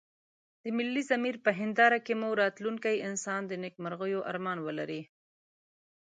د ملي ضمير په هنداره کې مو راتلونکی انسان د نيکمرغيو ارمان ولري.